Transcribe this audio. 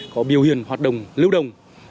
có biểu hiện hoạt động lưu đồng